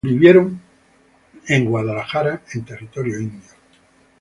Vivieron en Arkansas en territorio Indio.